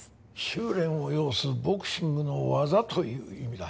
修練を要すボクシングの技という意味だ。